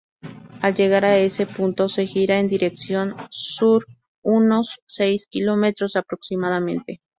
Al llegar a ese punto, se gira en dirección sur unos seis kilómetros aproximadamente.